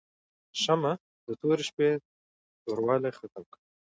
شمعه د تورې شپې توروالی ختم کړ.